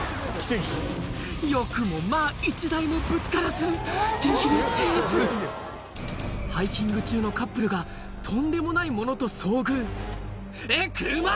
よくもまぁ１台もぶつからずギリギリセーフハイキング中のカップルがとんでもないものと遭遇えっクマ